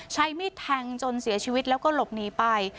ใช้มีดแทงจนเสียชีวิตแล้วก็หลบหนีไป